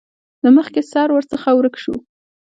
د مخکې سر ورڅخه ورک شو.